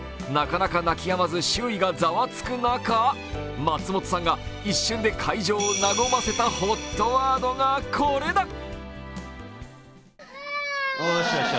なかなか泣きやまず周囲がザワつく中松本さんが一瞬で会場を和ませたＨＯＴワードがこれだ。